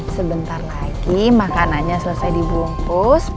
sebentar lagi makanannya selesai dibungkus